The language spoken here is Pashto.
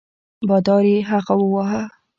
بادار یې هغه وواهه.